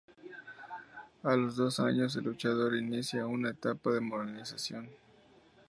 A los dos años El Luchador inicia una etapa de modernización.